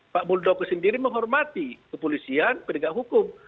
pak muldoko sendiri menghormati kepolisian penegak hukum